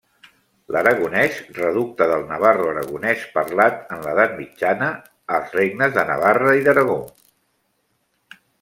L'aragonès, reducte del navarroaragonès parlat en l'Edat Mitjana als regnes de Navarra i d’Aragó.